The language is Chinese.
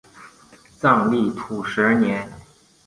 藏历土蛇年。